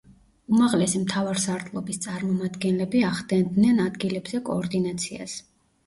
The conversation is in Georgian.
უმაღლესი მთავარსარდლობის წარმომადგენლები ახდენდნენ ადგილებზე კოორდინაციას.